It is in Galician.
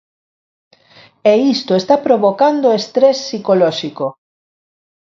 E isto está provocando estrés psicolóxico.